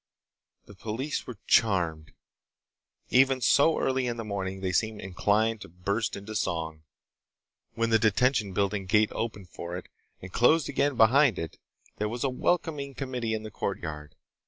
The police were charmed. Even so early in the morning they seemed inclined to burst into song. When the Detention Building gate opened for it, and closed again behind it, there was a welcoming committee in the courtyard.